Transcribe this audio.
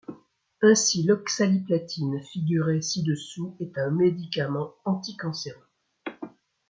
Ainsi l'oxaliplatine, figuré ci-dessous, est un médicament anti-cancéreux.